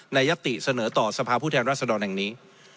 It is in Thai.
ยัตติเสนอต่อสภาพผู้แทนรัศดรแห่งนี้